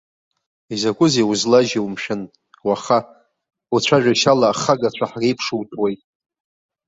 Изакәызеи узлажьу, мшәан, уаха, уцәажәашьала ахагацәа ҳреиԥшутәуеит.